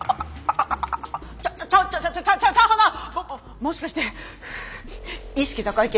もしかしてふぅ意識高い系？